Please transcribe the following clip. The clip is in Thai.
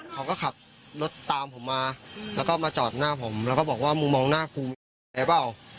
เขาก็ขับรถตามผมมาแล้วก็มาจอดหน้าผมแล้วก็บอกว่ามึงมองหน้ากูมึงแอร์เปล่า